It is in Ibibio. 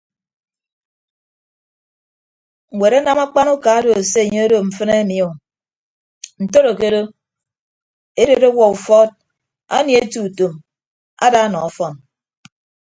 Ñwed anam akpan uka odo se anye odo mfịn ami o ntodo ke odo edet ọwuọ ufuọd anie eti utom ada nọ ọfọn.